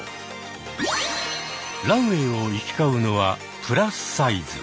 ランウェーを行き交うのはプラスサイズ。